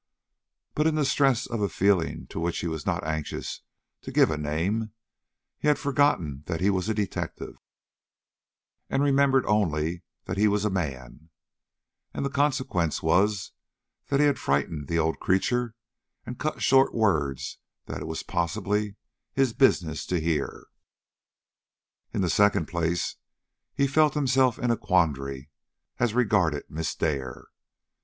But in the stress of a feeling to which he was not anxious to give a name, he had forgotten that he was a detective, and remembered only that he was a man; and the consequence was that he had frightened the old creature, and cut short words that it was possibly his business to hear. In the second place, he felt himself in a quandary as regarded Miss Dare.